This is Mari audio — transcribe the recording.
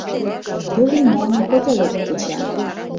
Тул ӱмбалне котелок кеча.